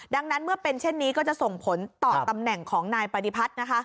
ดังนั้นเมื่อเป็นเช่นนี้ก็จะส่งผลต่อตำแหน่งของนายปฏิพัฒน์นะคะ